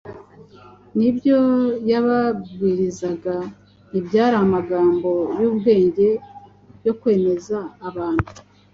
N’ibyo yababwirizaga “ntibyari amagambo y’ubwenge yo kwemeza abantu,